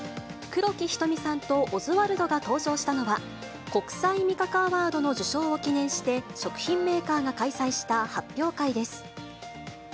黒木瞳さんとオズワルドが登場したのは、国際味覚アワードの受賞を記念して食品メーカーが開催した発表会です。